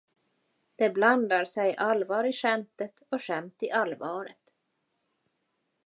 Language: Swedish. Det blandar sig allvar i skämtet och skämt i allvaret.